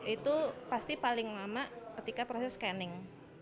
itu pasti paling lama ketika proses scanning